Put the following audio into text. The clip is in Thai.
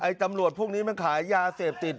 ตำรวจพวกนี้มันขายยาเสพติด